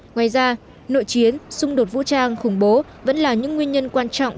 ngoài ra nội chiến xung đột vũ trang khủng bố vẫn là những nguyên nhân quan trọng